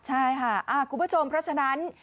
ใช่ค่ะคุณผู้ชมเพราะฉะนั้น